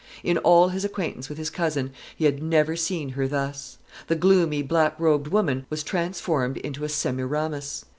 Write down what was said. In all his acquaintance with his cousin, he had never seen her thus. The gloomy black robed woman was transformed into a Semiramis.